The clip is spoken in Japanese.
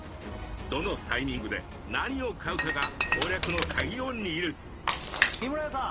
どのタイミングで何を買うかが攻略の鍵を握るヒムラヤさん